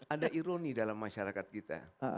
ada ironi dalam masyarakat kita